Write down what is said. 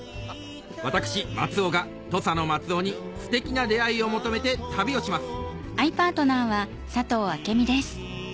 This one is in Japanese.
私松尾が土佐の松尾にステキな出逢いを求めて旅をします！